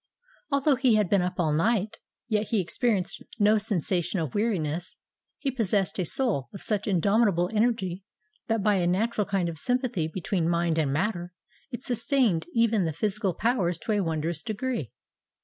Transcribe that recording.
Although he had been up all night, yet he experienced no sensation of weariness: he possessed a soul of such indomitable energy that by a natural kind of sympathy between mind and matter, it sustained even the physical powers to a wondrous degree.